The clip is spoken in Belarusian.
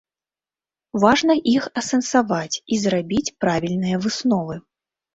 Важна іх асэнсаваць і зрабіць правільныя высновы.